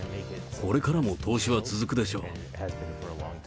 これからも投資は続くでしょう。